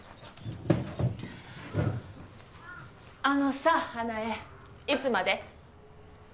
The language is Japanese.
あのさ花枝いつまで？